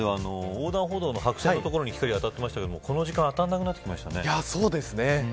ちょっと前までは、横断歩道の白線の所に光が当たってましたがこの時間当たらなくなってきましたね。